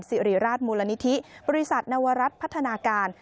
สิริราชมูลนิธิบริษัทนวรัฐพัฒนาการ